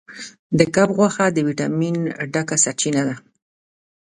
د کب غوښه د ویټامین ډکه سرچینه ده.